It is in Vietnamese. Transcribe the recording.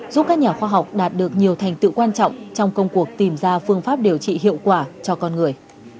giúp các nhà khoa học đạt được nhiều thành tựu quan trọng trong công cuộc tìm ra phương pháp điều trị hiệu quả cho con người